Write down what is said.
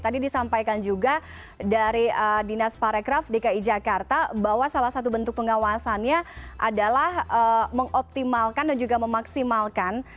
tadi disampaikan juga dari dinas parekraf dki jakarta bahwa salah satu bentuk pengawasannya adalah mengoptimalkan dan juga memaksimalkan